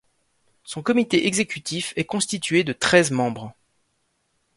Son comité exécutif est constitué de treize membres.